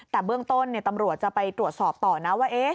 แต่เบื้องต้นตำรวจจะไปตรวจสอบต่อนะว่า